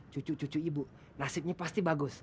cucu cucu ibu nasibnya pasti bagus